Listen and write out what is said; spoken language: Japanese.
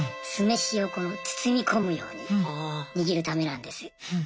酢飯を包み込むように握るためなんです。